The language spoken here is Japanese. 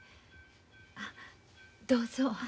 あどうぞ。